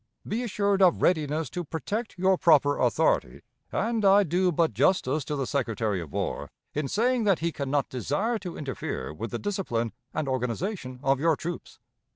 Be assured of readiness to protect your proper authority, and I do but justice to the Secretary of War in saying that he can not desire to interfere with the discipline and organization of your troops.